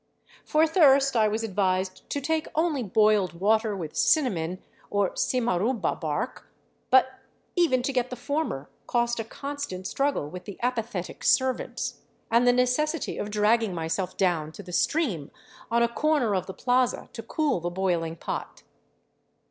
For thirst I was advised to take only boiled water with cinnamon or cimarruha bark; but even to get the former cost a constant struggle with the apathetic servants, and the necessity of dragging myself down to the stream on a corner of the plaza to cool the boiling pot.